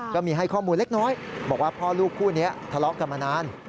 ก็มีให้ข้อมูลเล็กน้อยบอกว่าพ่อลูกคู่นี้ทะเลาะกันมานาน